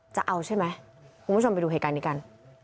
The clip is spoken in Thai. จะเอาใช่ไหมคุณผู้ชมไปดูเหตุการณ์นี้กัน